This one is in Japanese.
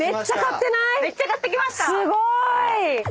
すごーい！